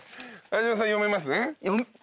相島さん読めますね？